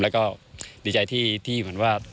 และก็ดีใจที่ที่เหมือนว่า